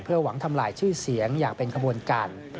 หวังทำลายชื่อเสียงอย่างเป็นขบวนการ